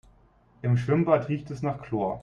Im Schwimmbad riecht es nach Chlor.